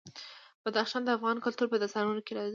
بدخشان د افغان کلتور په داستانونو کې راځي.